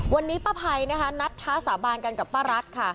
วันนี้ป้าภัยนะคะนัดท้าสาบานกันกับป้ารัฐค่ะ